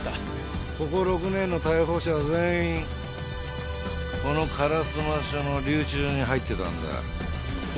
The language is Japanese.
ここ６年の逮捕者は全員この烏丸署の留置所に入ってたんだ。